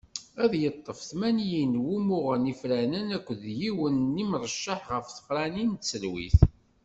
Ad yeṭṭef tmanyin n wumuɣen ifranen akked yiwen n yimrecceḥ ɣer tefranin n tselwit.